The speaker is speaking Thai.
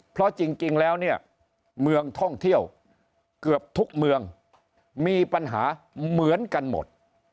เพราะจริงแล้วเนี่ยเมืองท่องเที่ยวเกือบทุกเมืองมีปัญหาเหมือนกันหมด